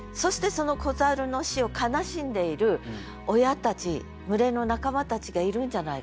その子猿の死を悲しんでいる親たち群れの仲間たちがいるんじゃないかと。